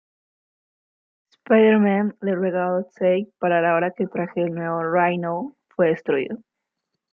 Spider-Man le ruega a Aleksei parar ahora que traje del nuevo Rhino fue destruido.